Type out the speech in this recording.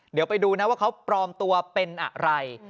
เดี๋ยวไปดูนะว่าเขาปลอมตัวเป็นอะไร